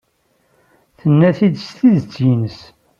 Tenna-t-id s tidet-nnes.